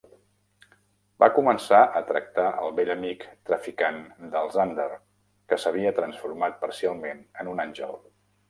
Va començar a tractar el vell amic traficant del Zander, que s'havia transformat parcialment en un àngel.